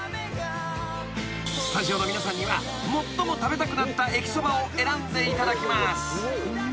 ［スタジオの皆さんには最も食べたくなった駅そばを選んでいただきます］